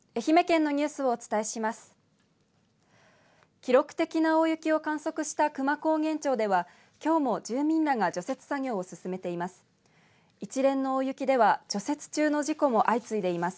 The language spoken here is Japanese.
記録的な大雪を観測した久万高原町ではきょうも住民らが除雪作業を進めています。